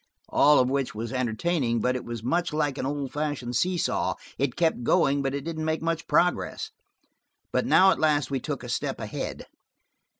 All of which was entertaining, but it was much like an old fashioned see saw; it kept going, but it didn't make much progress. But now at last we took a step ahead.